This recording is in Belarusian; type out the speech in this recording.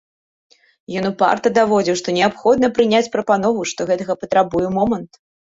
Ён упарта даводзіў, што неабходна прыняць прапанову, што гэтага патрабуе момант.